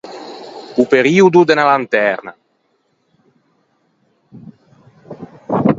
O periodo de unna lanterna.